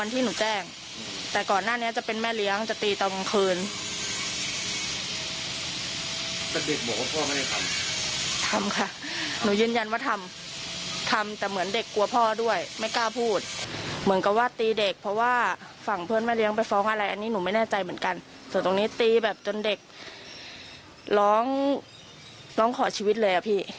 ตีแบบจนเด็กร้องขอชีวิตเลยครับพี่